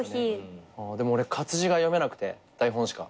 でも俺活字が読めなくて台本しか。